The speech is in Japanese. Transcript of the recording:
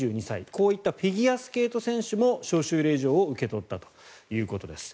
こういったフィギュアスケート選手も招集令状を受け取ったということです。